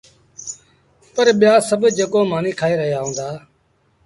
پر ٻيآ سڀ جيڪو مآݩيٚ کآئي رهيآ هُݩدآ